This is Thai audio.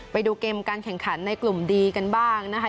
ไปดูเกมการแข่งขันในกลุ่มดีกันบ้างนะคะ